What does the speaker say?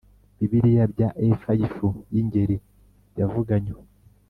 Bibiri bya efa y ifu y ingezi yavuganywe